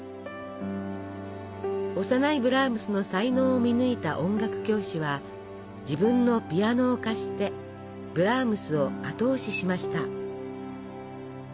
幼いブラームスの才能を見抜いた音楽教師は自分のピアノを借してブラームスを後押ししました。